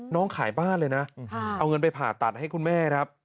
ขายบ้านเลยนะเอาเงินไปผ่าตัดให้คุณแม่ครับ